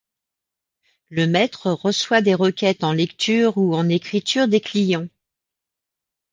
Le maître reçoit des requêtes en lecture ou en écriture des clients.